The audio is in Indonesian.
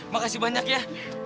makasih banyak ya